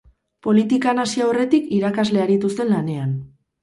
Politikan hasi aurretik irakasle aritu zen lanean.